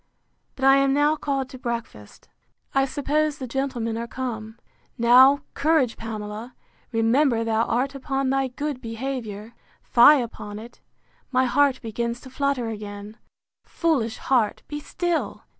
—But I am now called to breakfast. I suppose the gentlemen are come.—Now, courage, Pamela! Remember thou art upon thy good behaviour!—Fie upon it! my heart begins to flutter again!—Foolish heart! be still!